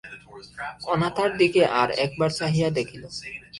অনাথার দিকে আর-এক বার চাহিয়া দেখিল।